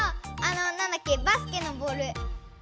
あのなんだっけバスケのボール！